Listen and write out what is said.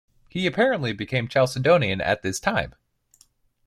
He apparently became Chalcedonian at this time.